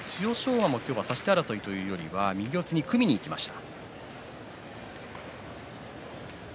馬も今日は差し手争いというよりは右に組みにいきました。